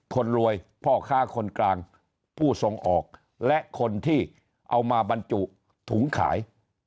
คนรวยพ่อค้าคนกลางผู้ส่งออกและคนที่เอามาบรรจุถุงขาย